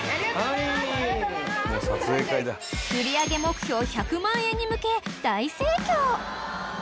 ［売上目標１００万円に向け大盛況］